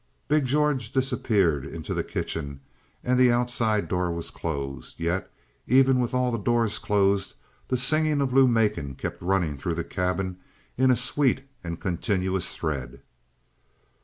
Big George disappeared into the kitchen and the outside door was closed. Yet even with all the doors closed the singing of Lou Macon kept running through the cabin in a sweet and continuous thread.